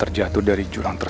tangani aku sedang dihilangkan